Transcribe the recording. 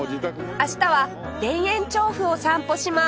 明日は田園調布を散歩します